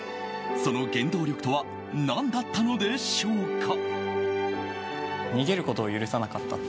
その原動力とは何だったのでしょうか？